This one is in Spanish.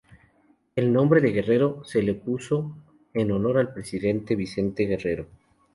El nombre "de Guerrero" se le puso en honor al presidente Vicente Guerrero.